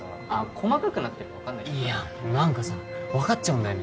細かくなってれば分かんないじゃんいや何かさ分かっちゃうんだよね